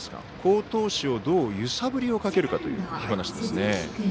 好投手をどう揺さぶりをかけるかというお話ですね。